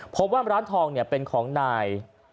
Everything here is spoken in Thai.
พบว่าร้านทองเป็นของนาย